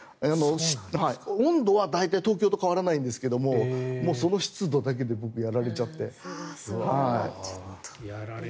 温度は大体東京と変わらないんですけどその湿度だけで僕やられちゃって。